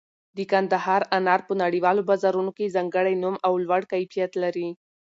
د کندهار انار په نړیوالو بازارونو کې ځانګړی نوم او لوړ کیفیت لري.